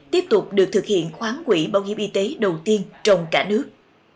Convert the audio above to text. tiếp tục được thực hiện khoán quỹ bảo hiểm y tế đầu tiên trong cả nước